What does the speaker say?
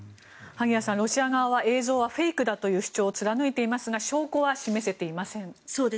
萩谷さん、ロシア側は映像はフェイクだという主張を貫いていますが証拠は示せていません。